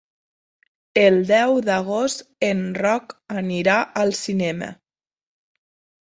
El deu d'agost en Roc anirà al cinema.